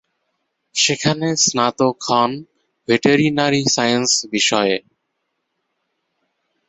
সেখানে স্নাতক হন ভেটেরিনারি সায়েন্স বিষয়ে।